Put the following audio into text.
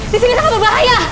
di sini sangat berbahaya